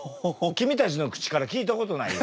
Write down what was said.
君たちの口から聞いたことないよ。